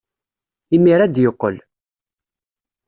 Imir-a ad d-yeqqel.